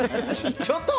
ちょっと！